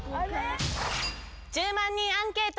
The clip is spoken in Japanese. １０万人アンケート。